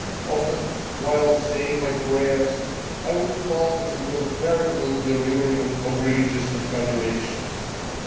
Often while saying my prayers I would fall into a veritable delirium of religious infatuation.